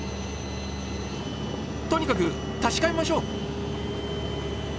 とにかく確かめましょう。